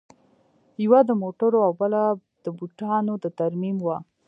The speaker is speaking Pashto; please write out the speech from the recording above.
یوه د موټرو او بله د بوټانو د ترمیم وه